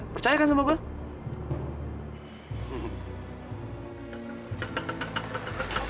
percayakan sama gua